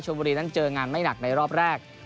บุรีนั้นเจองานไม่หนักในรอบแรก